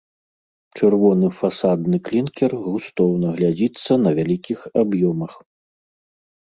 Чырвоны фасадны клінкер густоўна глядзіцца на вялікіх аб'ёмах.